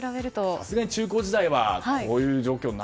さすがに中高時代はこういう状況は。